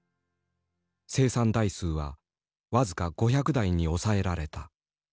生産台数は僅か５００台に抑えられた。